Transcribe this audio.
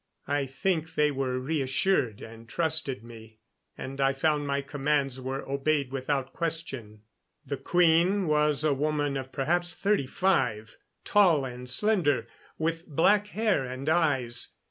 I think they were reassured and trusted me, and I found my commands were obeyed without question. The queen was a woman of perhaps thirty five tall and slender, with black hair and eyes.